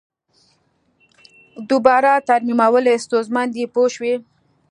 دوباره ترمیمول یې ستونزمن دي پوه شوې!.